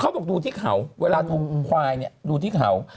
บอกดูที่เขาเวลาถูกควายเนี่ยดูที่เขา